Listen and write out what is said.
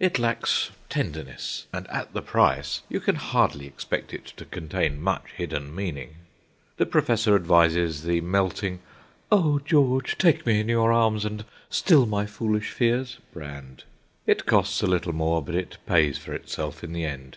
It lacks tenderness, and at the price you can hardly expect it to contain much hidden meaning. The professor advises the melting, Oh George take me in your arms and still my foolish fears brand. It costs a little more, but it pays for itself in the end.